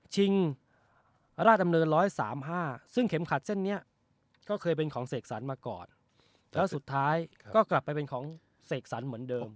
ชิงราชดำเนิน๑๓๕ซึ่งเข็มขัดเส้นนี้ก็เคยเป็นของเสกสรรมาก่อนแล้วสุดท้ายก็กลับไปเป็นของเสกสรรเหมือนเดิม